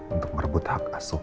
untuk merebut hak asurena